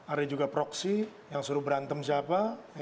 ada juga proksi yang suruh berantem siapa